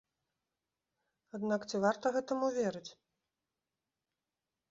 Аднак ці варта гэтаму верыць?